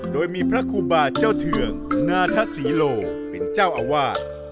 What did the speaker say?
โดยมีพระครูบาเจ้าเทืองนาทศรีโลเป็นเจ้าอาวาส